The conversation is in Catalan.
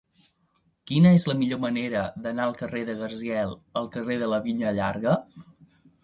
Quina és la millor manera d'anar del carrer de Gaziel al carrer de la Vinya Llarga?